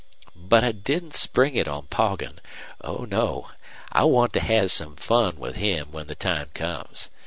But I didn't spring it on Poggin. Oh no! I want to have some fun with him when the time comes.